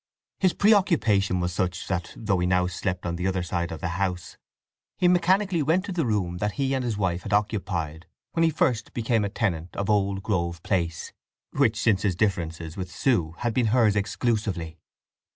His preoccupation was such that, though he now slept on the other side of the house, he mechanically went to the room that he and his wife had occupied when he first became a tenant of Old Grove Place, which since his differences with Sue had been hers exclusively.